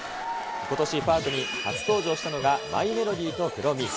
ことしパークに初登場したのが、マイメロディとクロミ。